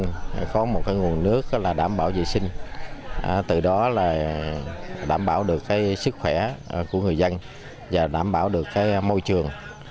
thứ hai là giúp cho người dân có một nguồn nước đảm bảo vệ sinh từ đó đảm bảo được sức khỏe của người dân và đảm bảo được môi trường